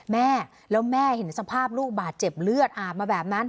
แม่แล้วแม่เห็นสภาพลูกบาดเจ็บเลือดอาบมาแบบนั้น